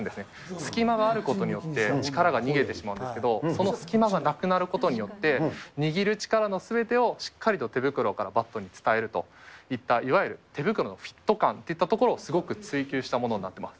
隙間があることによって、力が逃げてしまうんですけど、その隙間がなくなることによって、握る力の全てをしっかりと手袋からバットに伝えるといった手袋のフィット感といったところを、すごく追求したものになってます。